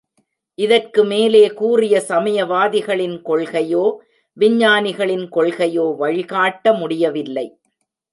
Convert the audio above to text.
இதற்கு மேலே கூறிய சமயவாதிகளின் கொள்கையோ, விஞ்ஞானிகளின் கொள்கையோ வழிகாட்ட முடியவில்லை.